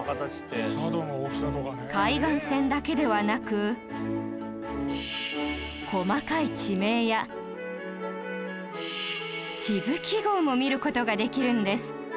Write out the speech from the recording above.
海岸線だけではなく細かい地名や地図記号も見る事ができるんです